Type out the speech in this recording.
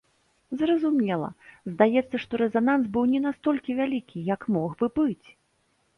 Зразумела, здаецца, што рэзананс быў не настолькі вялікі, як мог бы быць.